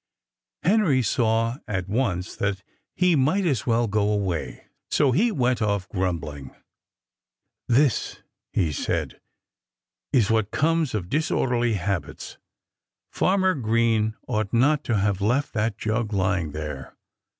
Henry saw at once that he might as well go away. So he went off grumbling. "This," he said, "is what comes of disorderly habits. Farmer Green ought not to have left that jug lying there.